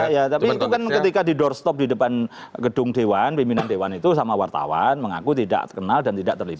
iya tapi itu kan ketika di doorstop di depan gedung dewan pimpinan dewan itu sama wartawan mengaku tidak kenal dan tidak terlibat